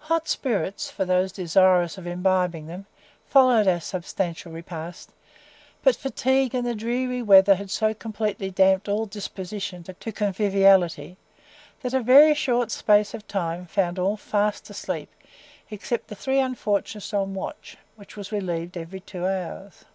Hot spirits, for those desirous of imbibing them, followed our substantial repast; but fatigue and the dreary weather had so completely damped all disposition to conviviality, that a very short space of time found all fast asleep except the three unfortunates on the watch, which was relieved every two hours.